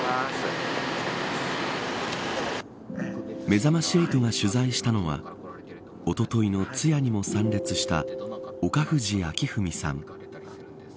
めざまし８が取材したのはおとといの通夜にも参列した岡藤明史さん。